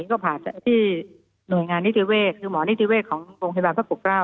ก็ผ่านที่หน่วยงานนิติเวศคือหมอนิติเวศของโรงพยาบาลพระปกเกล้า